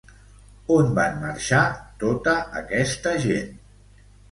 On van marxar tota aquesta gent?